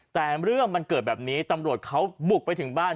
แต่เรื่องมันเกิดแบบนี้ตำรวจเขาบุกไปถึงบ้าน